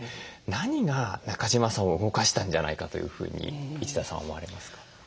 何が中島さんを動かしたんじゃないかというふうに一田さんは思われますか？